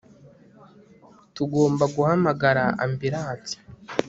Tugomba guhamagara ambilansi